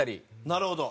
なるほど。